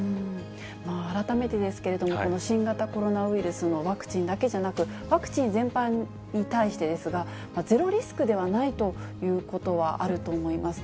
改めてですけれども、この新型コロナウイルスのワクチンだけじゃなく、ワクチン全般に対してですが、ゼロリスクではないということはあると思います。